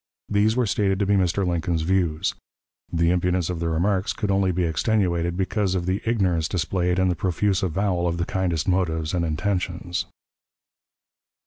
These were stated to be Mr. Lincoln's views. The impudence of the remarks could only be extenuated because of the ignorance displayed and the profuse avowal of the kindest motives and intentions.